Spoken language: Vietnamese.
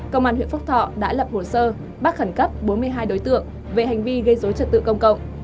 công an huyện phúc thọ đã lập hồ sơ bắt khẩn cấp bốn mươi hai đối tượng về hành vi gây dối trật tự công cộng